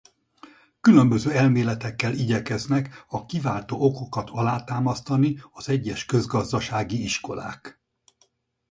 Különböző elméletekkel igyekeznek a kiváltó okokat alátámasztani az egyes közgazdasági iskolák.